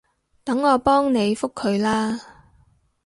等我幫你覆佢啦